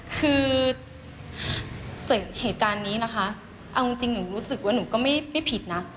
คือจากเหตุการณ์นี้นะคะเอาจริงหนูรู้สึกว่าหนูก็ไม่ผิดนะ